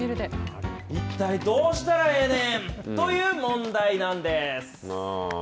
一体どうしたらええねん。という問題なんです。